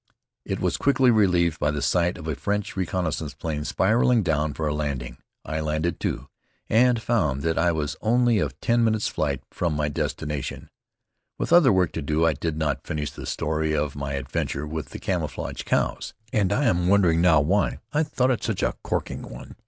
It was quickly relieved by the sight of a French reconnaissance plane spiraling down for a landing. I landed, too, and found that I was only a ten minutes' flight from my destination. With other work to do, I did not finish the story of my adventure with the camouflaged cows, and I am wondering now why I thought it such a corking one.